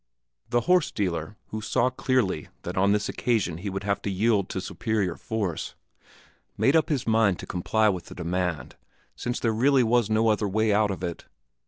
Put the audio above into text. The horse dealer, who saw clearly that on this occasion he would have to yield to superior force, made up his mind to comply with the demand, since there really was no other way out of it.